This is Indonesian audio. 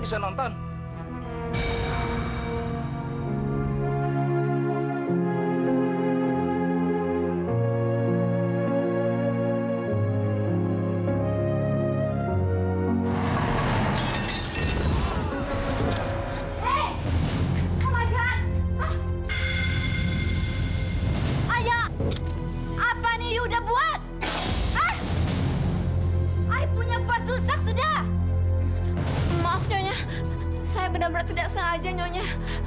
sampai jumpa di video selanjutnya